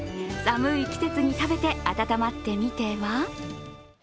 寒い季節に食べて温まってみては？